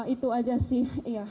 itu aja sih